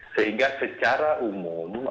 sehingga secara umum